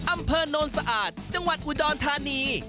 อำเภอโนนสะอาดจังหวัดอุดรธานี